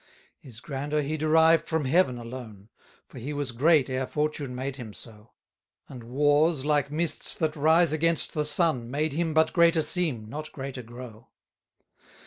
6 His grandeur he derived from Heaven alone; For he was great ere fortune made him so: And wars, like mists that rise against the sun, Made him but greater seem, not greater grow.